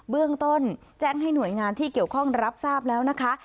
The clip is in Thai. เบื้องต้นแจ้งให้หน่วยงานที่เกี่ยวข้องรับทราบแล้วนะคะ